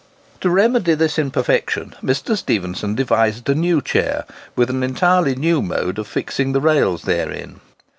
To remedy this imperfection Mr. Stephenson devised a new chair, with an entirely new mode of fixing the rails therein.